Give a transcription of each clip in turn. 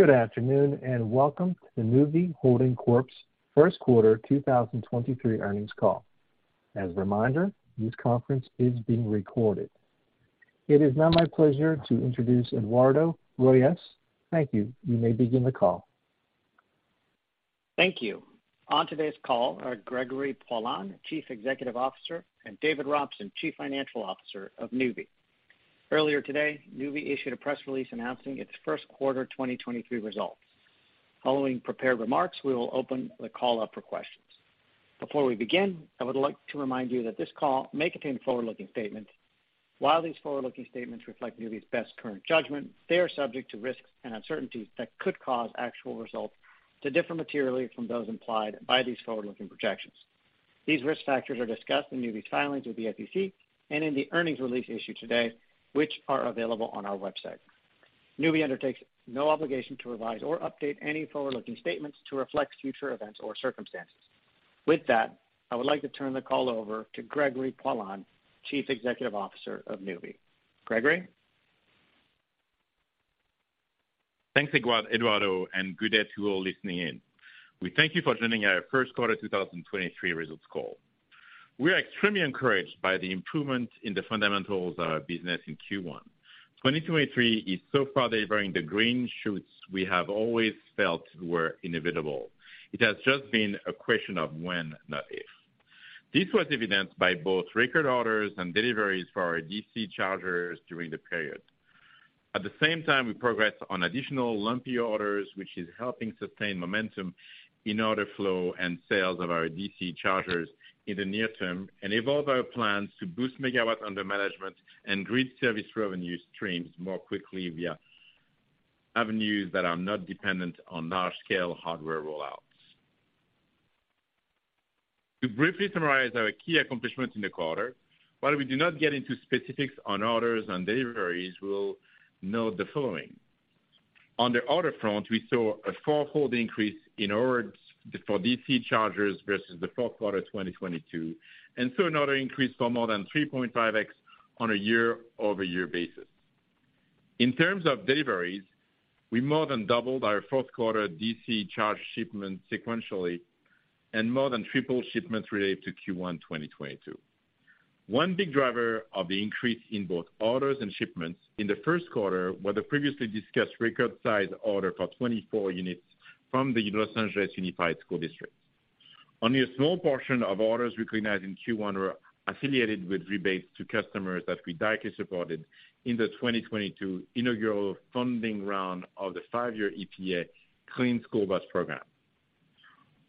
Good afternoon, and welcome to the Nuvve Holding Corp.'s first quarter 2023 earnings call. As a reminder, this conference is being recorded. It is now my pleasure to introduce Eduardo Royes. Thank you. You may begin the call. Thank you. On today's call are Gregory Poilasne, Chief Executive Officer, and David Robson, Chief Financial Officer of Nuvve. Earlier today, Nuvve issued a press release announcing its first quarter 2023 results. Following prepared remarks, we will open the call up for questions. Before we begin, I would like to remind you that this call may contain forward-looking statements. While these forward-looking statements reflect Nuvve's best current judgment, they are subject to risks and uncertainties that could cause actual results to differ materially from those implied by these forward-looking projections. These risk factors are discussed in Nuvve's filings with the SEC and in the earnings release issued today, which are available on our website. Nuvve undertakes no obligation to revise or update any forward-looking statements to reflect future events or circumstances. With that, I would like to turn the call over to Gregory Poilasne, Chief Executive Officer of Nuvve. Gregory? Thanks, Eduardo. Good day to you all listening in. We thank you for joining our first quarter 2023 results call. We are extremely encouraged by the improvement in the fundamentals of our business in Q1. 2023 is so far delivering the green shoots we have always felt were inevitable. It has just been a question of when, not if. This was evidenced by both record orders and deliveries for our DC chargers during the period. At the same time, we progressed on additional lumpy orders, which is helping sustain momentum in order flow and sales of our DC chargers in the near term, and evolve our plans to boost megawatts under management and grid services revenue streams more quickly via avenues that are not dependent on large-scale hardware rollouts. To briefly summarize our key accomplishments in the quarter, while we do not get into specifics on orders and deliveries, we'll note the following. On the order front, we saw a four-fold increase in orders for DC chargers versus the fourth quarter 2022, and saw an order increase for more than 3.5x on a year-over-year basis. In terms of deliveries, we more than doubled our fourth quarter DC charger shipments sequentially and more than tripled shipments related to Q1 2022. One big driver of the increase in both orders and shipments in the first quarter was the previously discussed record size order for 24 units from the Los Angeles Unified School District. Only a small portion of orders we recognize in Q1 were affiliated with rebates to customers that we directly supported in the 2022 inaugural funding round of the five-year EPA Clean School Bus program.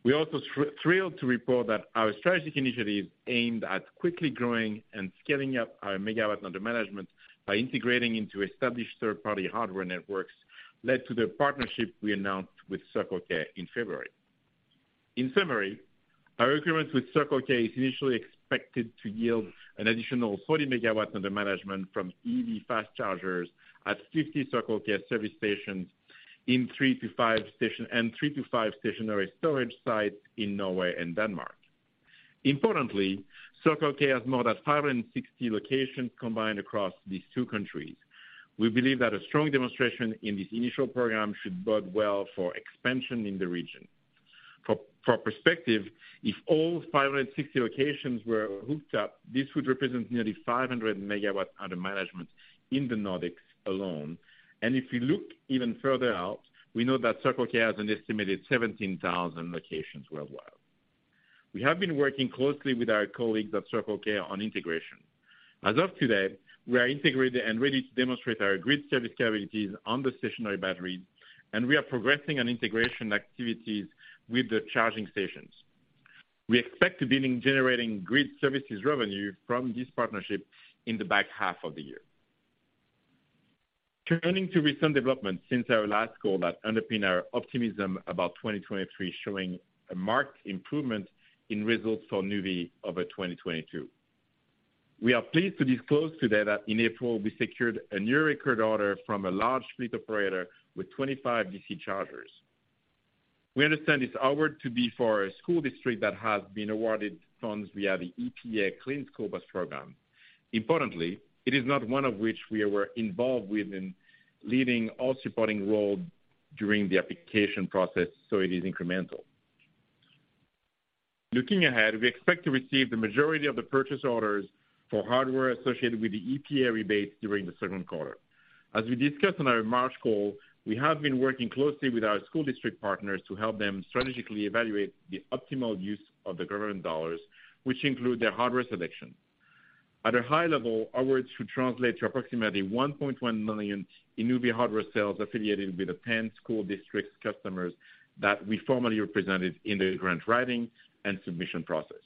We're also thrilled to report that our strategic initiatives aimed at quickly growing and scaling up our megawatt under management by integrating into established third-party hardware networks led to the partnership we announced with Circle K in February. In summary, our agreement with Circle K is initially expected to yield an additional 40 megawatts under management from EV fast chargers at 50 Circle K service stations and three to five stationary storage sites in Norway and Denmark. Importantly, Circle K has more than 560 locations combined across these two countries. We believe that a strong demonstration in this initial program should bode well for expansion in the region. For perspective, if all 560 locations were hooked up, this would represent nearly 500 megawatts under management in the Nordics alone. If you look even further out, we know that Circle K has an estimated 17,000 locations worldwide. We have been working closely with our colleagues at Circle K on integration. As of today, we are integrated and ready to demonstrate our grid service capabilities on the stationary batteries, and we are progressing on integration activities with the charging stations. We expect to begin generating grid services revenue from this partnership in the back half of the year. Turning to recent developments since our last call that underpin our optimism about 2023 showing a marked improvement in results for Nuvve over 2022. We are pleased to disclose today that in April, we secured a new record order from a large fleet operator with 25 DC chargers. We understand this order to be for a school district that has been awarded funds via the EPA Clean School Bus Program. Importantly, it is not one of which we were involved with in leading or supporting role during the application process, so it is incremental. Looking ahead, we expect to receive the majority of the purchase orders for hardware associated with the EPA rebates during the second quarter. As we discussed on our March call, we have been working closely with our school district partners to help them strategically evaluate the optimal use of the government dollars, which include their hardware selection. At a high level, our orders should translate to approximately $1.1 million in Nuvve hardware sales affiliated with the 10 school district customers that we formally represented in the grant writing and submission process.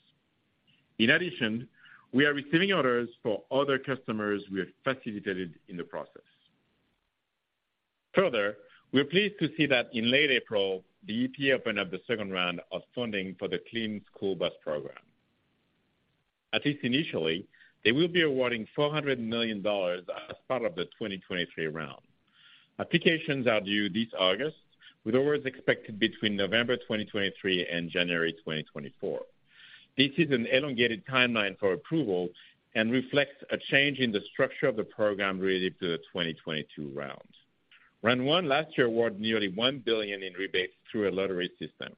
In addition, we are receiving orders for other customers we have facilitated in the process. Further, we're pleased to see that in late April, the EPA opened up the second round of funding for the Clean School Bus Program. At least initially, they will be awarding $400 million as part of the 2023 round. Applications are due this August, with awards expected between November 2023 and January 2024. This is an elongated timeline for approval and reflects a change in the structure of the program related to the 2022 round. Round one last year award nearly $1 billion in rebates through a lottery system.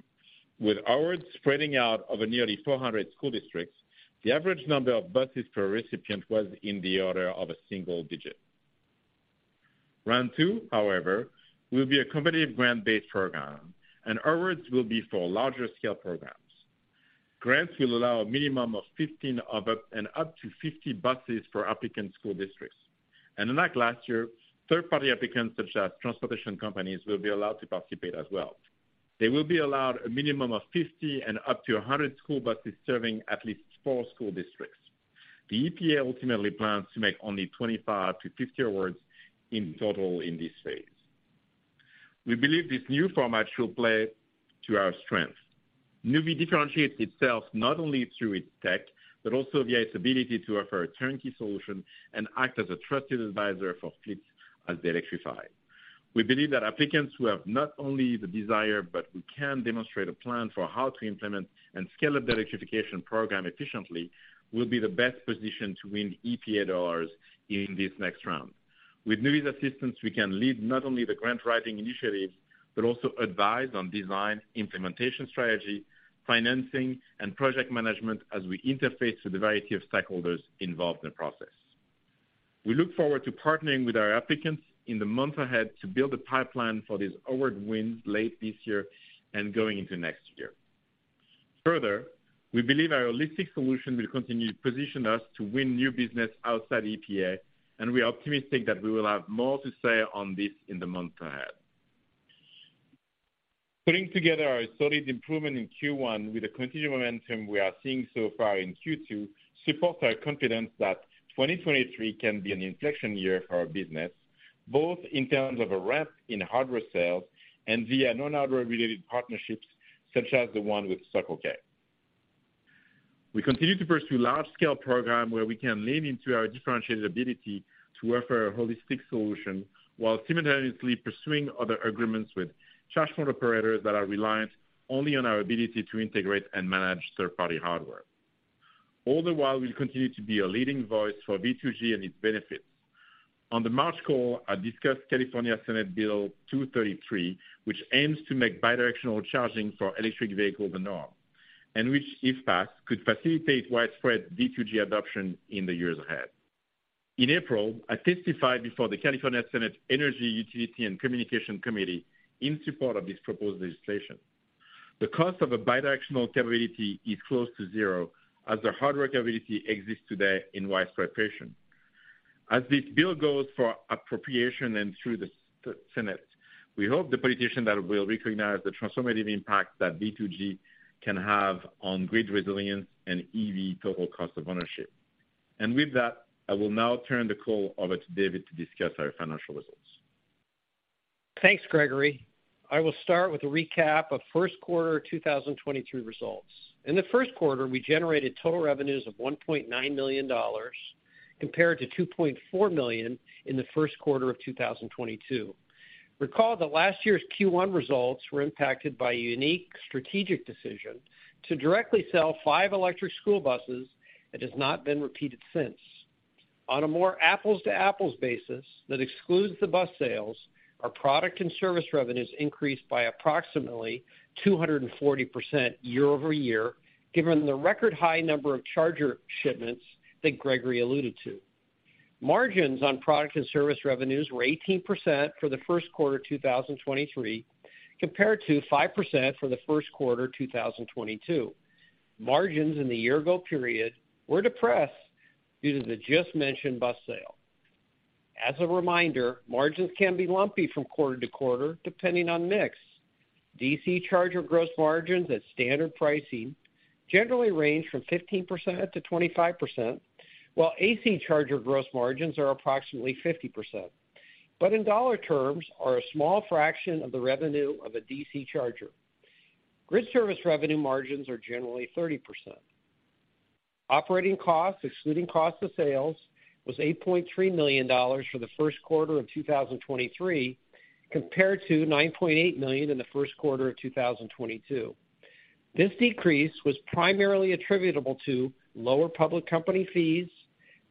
With awards spreading out over nearly 400 school districts, the average number of buses per recipient was in the order of a single digit. Round two, however, will be a competitive grant-based program, and awards will be for larger scale programs. Grants will allow a minimum of 15 and up to 50 buses per applicant school districts. Unlike last year, third-party applicants such as transportation companies will be allowed to participate as well. They will be allowed a minimum of 50 and up to 100 school buses serving at least four school districts. The EPA ultimately plans to make only 25 to 50 awards in total in this phase. We believe this new format should play to our strength. Nuvve differentiates itself not only through its tech, but also via its ability to offer a turnkey solution and act as a trusted advisor for fleets as they electrify. We believe that applicants who have not only the desire but who can demonstrate a plan for how to implement and scale up the electrification program efficiently will be the best position to win EPA dollars in this next round. With Nuvve's assistance, we can lead not only the grant writing initiatives, but also advise on design, implementation strategy, financing, and project management as we interface with a variety of stakeholders involved in the process. We look forward to partnering with our applicants in the month ahead to build a pipeline for these award wins late this year and going into next year. Further, we believe our holistic solution will continue to position us to win new business outside EPA, and we are optimistic that we will have more to say on this in the months ahead. Putting together a solid improvement in Q1 with the continued momentum we are seeing so far in Q2 supports our confidence that 2023 can be an inflection year for our business, both in terms of a ramp in hardware sales and via non-hardware related partnerships such as the one with Circle K. We continue to pursue large scale program where we can lean into our differentiated ability to offer a holistic solution while simultaneously pursuing other agreements with Charge Point Operators that are reliant only on our ability to integrate and manage third-party hardware. All the while, we'll continue to be a leading voice for V2G and its benefits. On the March call, I discussed California Senate Bill 233, which aims to make bidirectional charging for electric vehicles the norm, and which, if passed, could facilitate widespread V2G adoption in the years ahead. In April, I testified before the California Senate Energy, Utilities and Communications Committee in support of this proposed legislation. The cost of a bidirectional capability is close to zero as the hardware capability exists today in widespread fashion. As this bill goes for appropriation and through the Senate, we hope the politician that will recognize the transformative impact that V2G can have on grid resilience and EV total cost of ownership. With that, I will now turn the call over to David to discuss our financial results. Thanks, Gregory. I will start with a recap of first quarter 2023 results. In the first quarter, we generated total revenues of $1.9 million compared to $2.4 million in the first quarter of 2022. Recall that last year's Q1 results were impacted by a unique strategic decision to directly sell five electric school buses that has not been repeated since. On a more apples-to-apples basis that excludes the bus sales, our product and service revenues increased by approximately 240% year-over-year, given the record high number of charger shipments that Gregory alluded to. Margins on product and service revenues were 18% for the first quarter 2023, compared to 5% for the first quarter 2022. Margins in the year ago period were depressed due to the just-mentioned bus sale. As a reminder, margins can be lumpy from quarter to quarter, depending on mix. DC charger gross margins at standard pricing generally range from 15%-25%, while AC charger gross margins are approximately 50%. In dollar terms, are a small fraction of the revenue of a DC charger. Grid services revenue margins are generally 30%. Operating costs, excluding cost of sales, was $8.3 million for the first quarter of 2023, compared to $9.8 million in the first quarter of 2022. This decrease was primarily attributable to lower public company fees,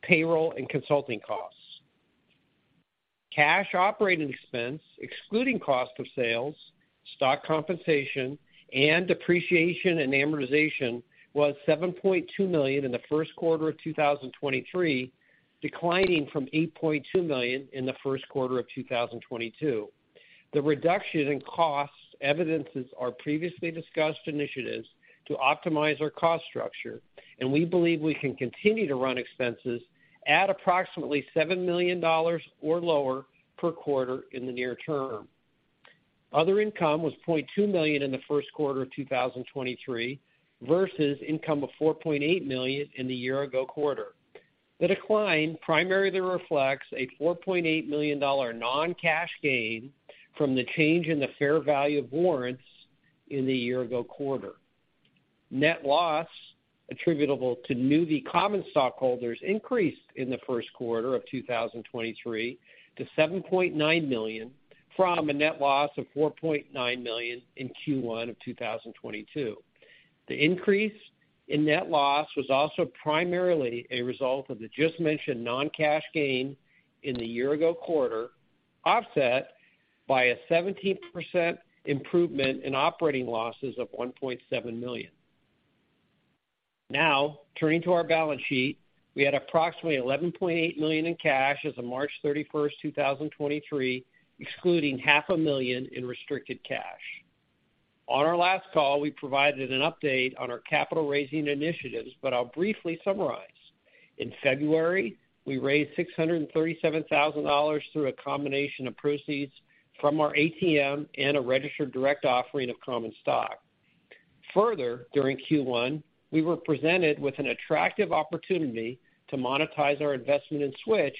payroll, and consulting costs. Cash operating expense, excluding cost of sales, stock compensation, and depreciation and amortization, was $7.2 million in the first quarter of 2023, declining from $8.2 million in the first quarter of 2022. The reduction in costs evidences our previously discussed initiatives to optimize our cost structure, and we believe we can continue to run expenses at approximately $7 million or lower per quarter in the near term. Other income was $0.2 million in the first quarter of 2023 versus income of $4.8 million in the year ago quarter. The decline primarily reflects a $4.8 million non-cash gain from the change in the fair value of warrants in the year ago quarter. Net loss attributable to Nuvve common stockholders increased in the first quarter of 2023 to $7.9 million from a net loss of $4.9 million in Q1 of 2022. The increase-In net loss was also primarily a result of the just-mentioned non-cash gain in the year ago quarter, offset by a 17% improvement in operating losses of $1.7 million. Turning to our balance sheet. We had approximately $11.8 million in cash as of March 31, 2023, excluding half a million in restricted cash. On our last call, we provided an update on our capital raising initiatives, I'll briefly summarize. In February, we raised $637,000 through a combination of proceeds from our ATM and a registered direct offering of common stock. Further, during Q1, we were presented with an attractive opportunity to monetize our investment in Switch,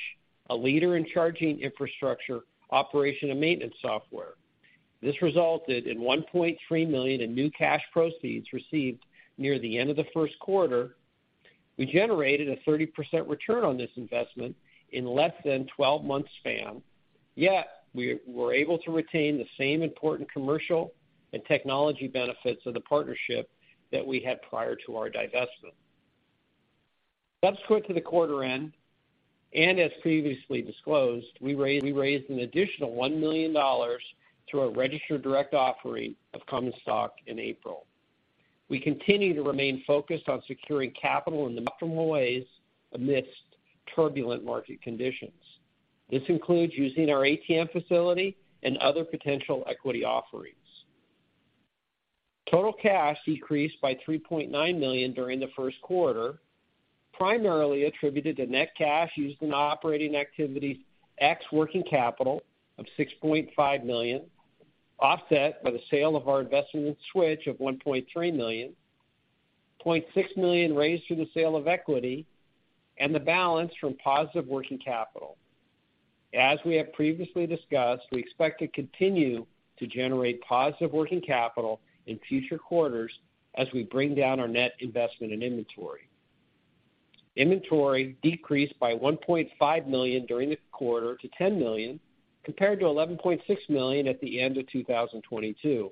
a leader in charging infrastructure, operation and maintenance software. This resulted in $1.3 million in new cash proceeds received near the end of the first quarter. We generated a 30% return on this investment in less than 12 months span, yet we were able to retain the same important commercial and technology benefits of the partnership that we had prior to our divestment. Subsequent to the quarter end, as previously disclosed, we raised an additional $1 million through a registered direct offering of common stock in April. We continue to remain focused on securing capital in the maximum ways amidst turbulent market conditions. This includes using our ATM facility and other potential equity offerings. Total cash decreased by $3.9 million during the first quarter, primarily attributed to net cash used in operating activities, X working capital of $6.5 million, offset by the sale of our investment in Switch of $1.3 million, $0.6 million raised through the sale of equity, and the balance from positive working capital. As we have previously discussed, we expect to continue to generate positive working capital in future quarters as we bring down our net investment in inventory. Inventory decreased by $1.5 million during the quarter to $10 million, compared to $11.6 million at the end of 2022.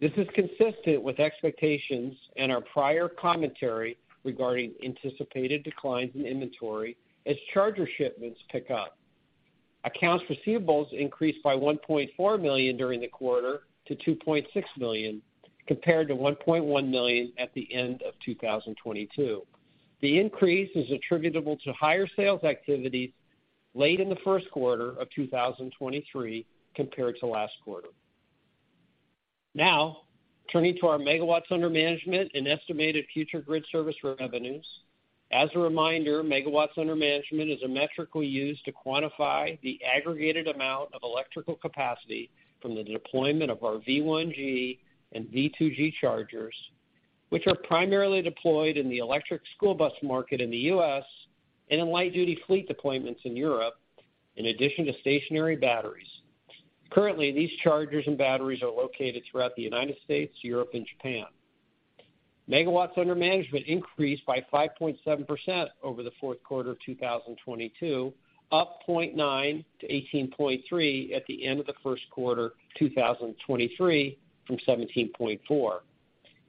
This is consistent with expectations and our prior commentary regarding anticipated declines in inventory as charger shipments pick up. Accounts receivables increased by $1.4 million during the quarter to $2.6 million, compared to $1.1 million at the end of 2022. The increase is attributable to higher sales activities laid in the first quarter of 2023 compared to last quarter. Now, turning to our megawatts under management and estimated future grid services revenues. As a reminder, megawatts under management is a metric we use to quantify the aggregated amount of electrical capacity from the deployment of our V1G and V2G chargers, which are primarily deployed in the electric school bus market in the U.S. and in light-duty fleet deployments in Europe, in addition to stationary batteries. Currently, these chargers and batteries are located throughout the United States, Europe, and Japan. Megawatts under management increased by 5.7% over the fourth quarter of 2022, up 0.9 to 18.3 at the end of the first quarter 2023 from 17.4.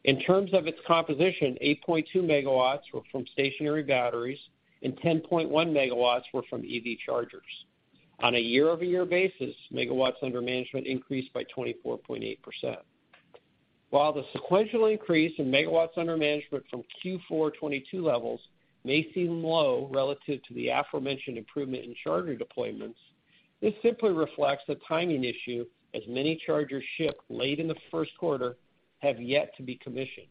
In terms of its composition, 8.2 megawatts were from stationary batteries and 10.1 megawatts were from EV chargers. On a year-over-year basis, megawatts under management increased by 24.8%. While the sequential increase in megawatts under management from Q4 '22 levels may seem low relative to the aforementioned improvement in charger deployments, this simply reflects a timing issue, as many chargers shipped late in the first quarter have yet to be commissioned.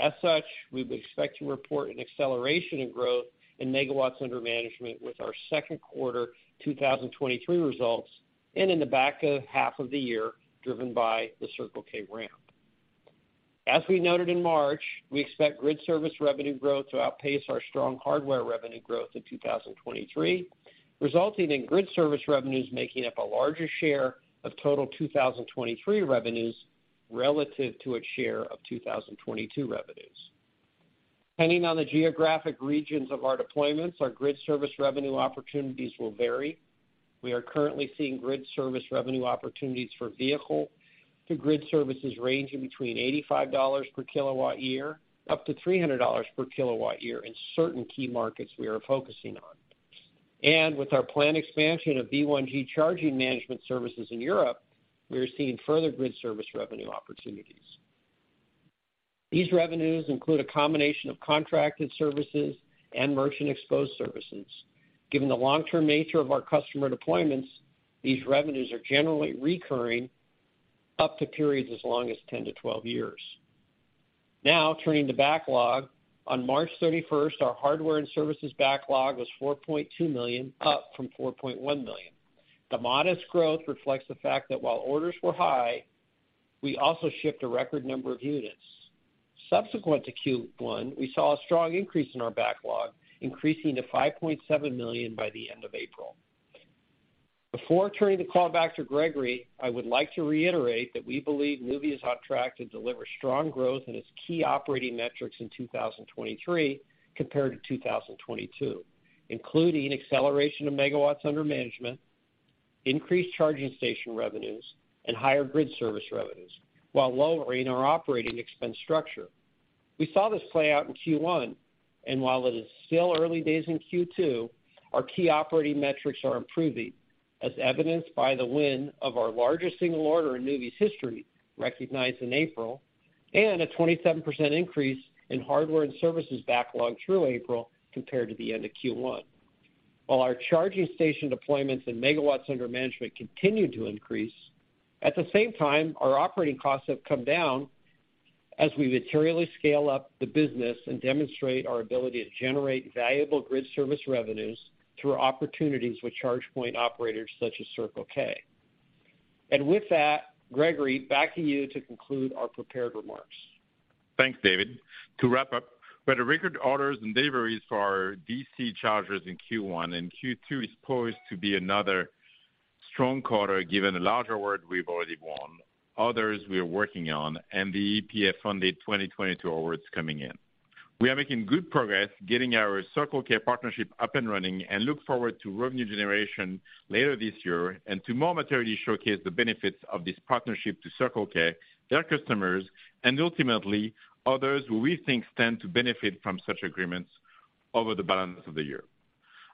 As such, we would expect to report an acceleration in growth in megawatts under management with our second quarter 2023 results and in the back of half of the year, driven by the Circle K ramp. As we noted in March, we expect grid services revenue growth to outpace our strong hardware revenue growth in 2023, resulting in grid services revenues making up a larger share of total 2023 revenues relative to its share of 2022 revenues. Depending on the geographic regions of our deployments, our grid services revenue opportunities will vary. We are currently seeing grid services revenue opportunities for vehicle-to-grid services ranging between $85 per kilowatt year up to $300 per kilowatt year in certain key markets we are focusing on. With our planned expansion of V1G charging management services in Europe, we are seeing further grid services revenue opportunities. These revenues include a combination of contracted services and merchant exposed services. Given the long-term nature of our customer deployments, these revenues are generally recurring up to periods as long as 10-12 years. Turning to backlog. On March 31st, our hardware and services backlog was $4.2 million, up from $4.1 million. The modest growth reflects the fact that while orders were high, we also shipped a record number of units. Subsequent to Q1, we saw a strong increase in our backlog, increasing to $5.7 million by the end of April. Before turning the call back to Gregory, I would like to reiterate that we believe Nuvve is on track to deliver strong growth in its key operating metrics in 2023 compared to 2022, including acceleration of megawatts under management increased charging station revenues and higher grid services revenues, while lowering our operating expense structure. We saw this play out in Q1, while it is still early days in Q2, our key operating metrics are improving, as evidenced by the win of our largest single order in Nuvve's history, recognized in April, and a 27% increase in hardware and services backlog through April compared to the end of Q1. While our charging station deployments and megawatts under management continue to increase, at the same time, our operating costs have come down as we materially scale up the business and demonstrate our ability to generate valuable grid service revenues through opportunities with charge point operators such as Circle K. With that, Gregory, back to you to conclude our prepared remarks. Thanks, David. To wrap up, we had a record orders and deliveries for our DC chargers in Q1. Q2 is poised to be another strong quarter given the larger award we've already won, others we are working on, and the EPA-funded 2022 awards coming in. We are making good progress getting our Circle K partnership up and running. We look forward to revenue generation later this year and to more materially showcase the benefits of this partnership to Circle K, their customers, and ultimately others who we think stand to benefit from such agreements over the balance of the year.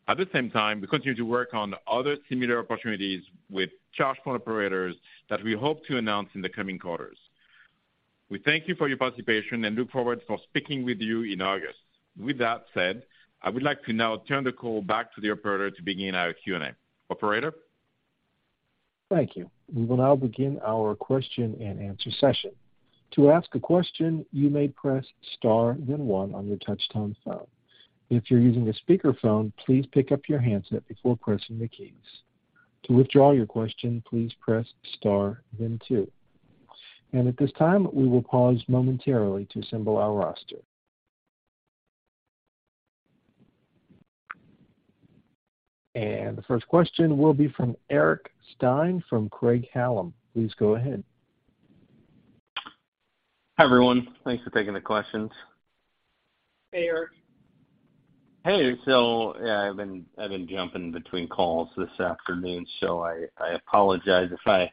At the same time, we continue to work on other similar opportunities with charge point operators that we hope to announce in the coming quarters. We thank you for your participation and look forward for speaking with you in August. With that said, I would like to now turn the call back to the operator to begin our Q&A. Operator? Thank you. We will now begin our question-and-answer session. To ask a question, you may press Star then one on your touch-tone phone. If you're using a speakerphone, please pick up your handset before pressing the keys. To withdraw your question, please press Star then two. At this time, we will pause momentarily to assemble our roster. The first question will be from Eric Stine from Craig-Hallum. Please go ahead. Hi, everyone. Thanks for taking the questions. Hey, Eric. Hey. Yeah, I've been jumping between calls this afternoon, so I apologize if I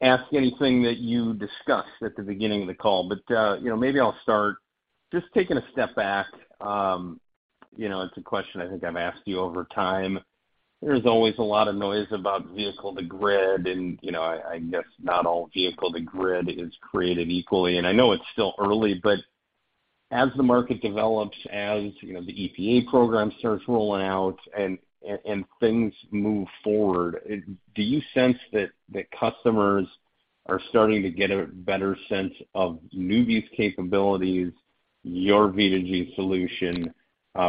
ask anything that you discussed at the beginning of the call. You know, maybe I'll start just taking a step back. You know, it's a question I think I've asked you over time. There's always a lot of noise about vehicle-to-grid, you know, I guess not all vehicle-to-grid is created equally. I know it's still early, as the market develops, you know, the EPA program starts rolling out and things move forward, do you sense that customers are starting to get a better sense of Nuvve's capabilities, your V2G solution,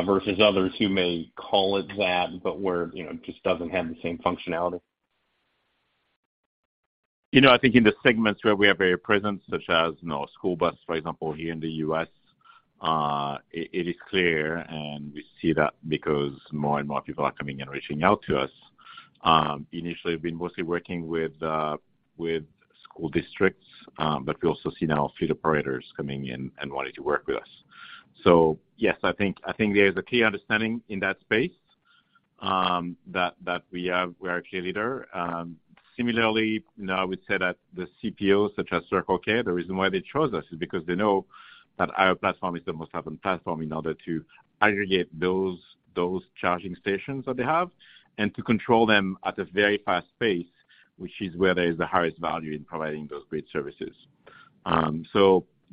versus others who may call it that, but where, you know, just doesn't have the same functionality? You know, I think in the segments where we are very present, such as, you know, school bus, for example, here in the U.S., it is clear. We see that because more and more people are coming and reaching out to us. Initially, we've been mostly working with school districts. We also see now fleet operators coming in and wanting to work with us. Yes, I think, I think there is a clear understanding in that space, that we are a clear leader. Similarly, you know, I would say that the CPOs such as Circle K, the reason why they chose us is because they know that our platform is the most open platform in order to aggregate those charging stations that they have and to control them at a very fast pace, which is where there is the highest value in providing those grid services.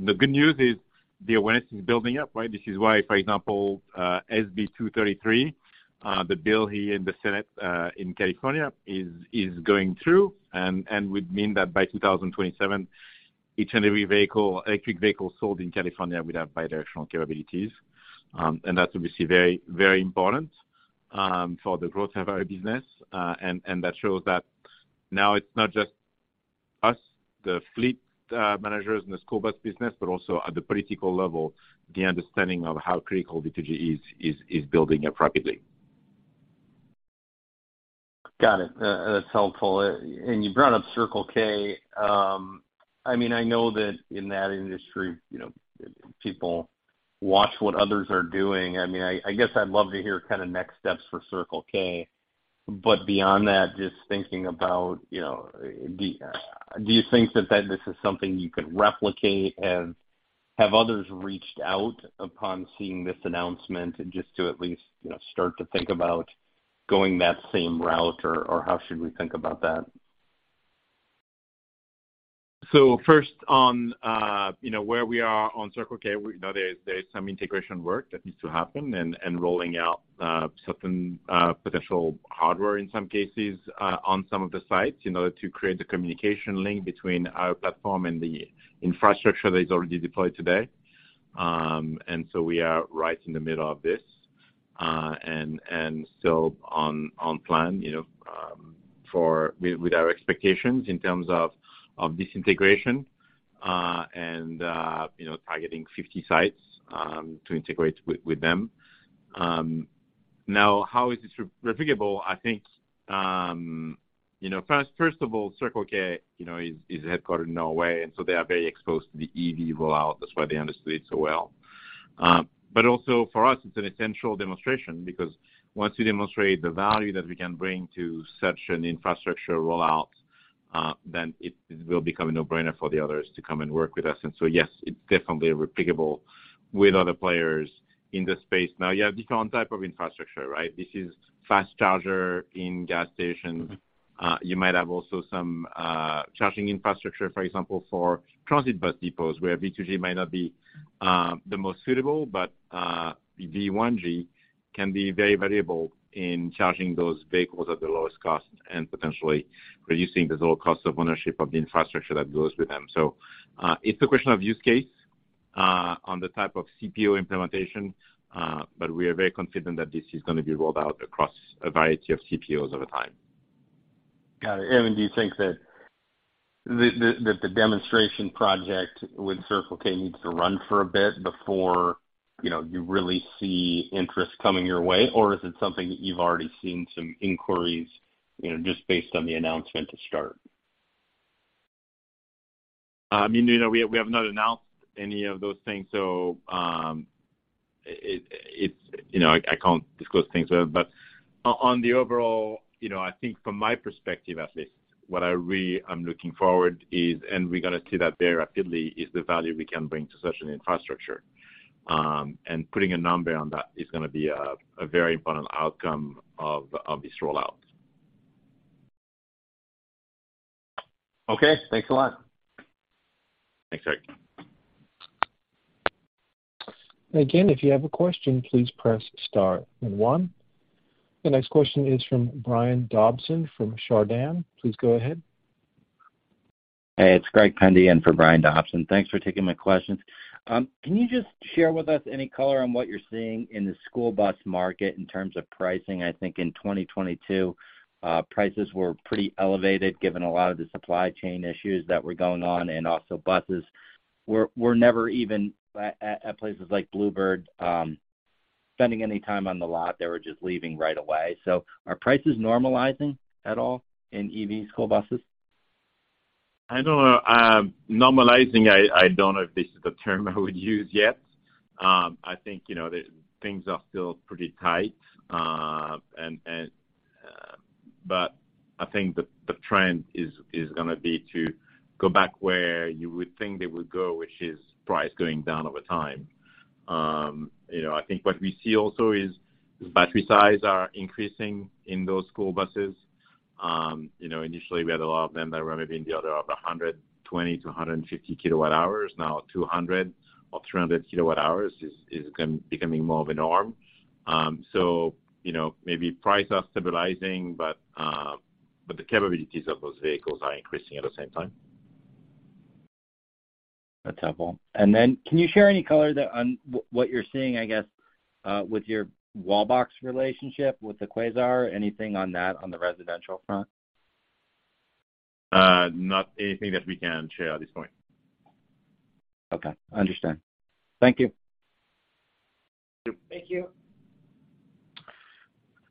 The good news is the awareness is building up, right? This is why, for example, SB 233, the bill here in the Senate, in California is going through and would mean that by 2027 each and every vehicle, electric vehicle sold in California would have bidirectional capabilities. That will be seen very important for the growth of our business. That shows that now it's not just us, the fleet managers in the school bus business, but also at the political level, the understanding of how critical V2G is building up rapidly. Got it. That's helpful. You brought up Circle K. I mean, I know that in that industry, you know, people watch what others are doing. I mean, I guess I'd love to hear kinda next steps for Circle K. Beyond that, just thinking about, you know, do you, do you think that this is something you can replicate? Have others reached out upon seeing this announcement just to at least, you know, start to think about going that same route or how should we think about that? First on, you know, where we are on Circle K, we know there is some integration work that needs to happen and rolling out certain potential hardware in some cases on some of the sites, you know, to create the communication link between our platform and the infrastructure that is already deployed today. We are right in the middle of this. On plan, you know, with our expectations in terms of this integration, and, you know, targeting 50 sites to integrate with them. Now, how is this replicable? I think, you know, first of all, Circle K, you know, is headquartered in Norway, and so they are very exposed to the EV rollout. That's why they understood it so well. Also for us, it's an essential demonstration because once you demonstrate the value that we can bring to such an infrastructure rollout. It will become a no-brainer for the others to come and work with us. Yes, it's definitely replicable with other players in the space. You have different type of infrastructure, right? This is fast charger in gas station. You might have also some charging infrastructure, for example, for transit bus depots, where V2G might not be the most suitable, but the V1G can be very variable in charging those vehicles at the lowest cost and potentially reducing the total cost of ownership of the infrastructure that goes with them. It's a question of use case, on the type of CPO implementation, but we are very confident that this is gonna be rolled out across a variety of CPOs over time. Got it. Do you think that the demonstration project with Circle K needs to run for a bit before, you know, you really see interest coming your way? Is it something that you've already seen some inquiries, you know, just based on the announcement to start? I mean, you know, we have not announced any of those things, so, you know, I can't disclose things. On the overall, you know, I think from my perspective, at least, what I really am looking forward is, and we're gonna see that very actively, is the value we can bring to such an infrastructure. Putting a number on that is gonna be a very important outcome of this rollout. Okay. Thanks a lot. Thanks, Eric. Again, if you have a question, please press star then one. The next question is from Brian Dobson from Chardan. Please go ahead. Hey, it's Greg Pendy in for Brian Dobson. Thanks for taking my questions. Can you just share with us any color on what you're seeing in the school bus market in terms of pricing? I think in 2022 prices were pretty elevated given a lot of the supply chain issues that were going on, and also buses were never even at places like Blue Bird spending any time on the lot, they were just leaving right away. Are prices normalizing at all in EV school buses? I don't know. Normalizing, I don't know if this is the term I would use yet. I think, you know, the things are still pretty tight. I think the trend is gonna be to go back where you would think they would go, which is price going down over time. You know, I think what we see also is the battery size are increasing in those school buses. You know, initially we had a lot of them that were maybe in the order of 120 to 150 kilowatt hours. Now 200 or 300 kilowatt hours is becoming more of a norm. You know, maybe price are stabilizing, but the capabilities of those vehicles are increasing at the same time. That's helpful. Then can you share any color that on what you're seeing, I guess, with your Wallbox relationship with the Quasar? Anything on that on the residential front? Not anything that we can share at this point. Okay. I understand. Thank you. Thank you.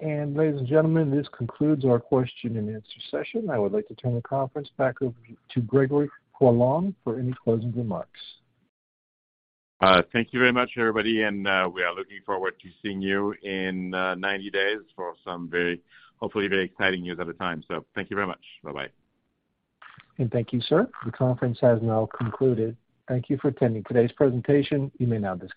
Thank you. Ladies and gentlemen, this concludes our question and answer session. I would like to turn the conference back over to Gregory Poilasne for any closing remarks. Thank you very much, everybody, and we are looking forward to seeing you in 90 days for some very, hopefully very exciting news at the time. Thank you very much. Bye-bye. Thank you, sir. The conference has now concluded. Thank you for attending today's presentation. You may now disconnect.